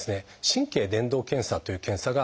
神経伝導検査という検査があります。